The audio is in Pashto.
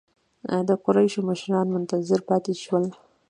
د قریشو مشران منتظر پاتې شول.